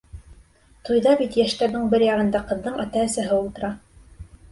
Туйҙа бит йәштәрҙең бер яғында ҡыҙҙың ата-әсәһе ултыра.